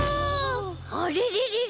あれれれれ？